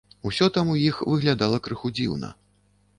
Усё там у іх выглядала крыху дзіўна.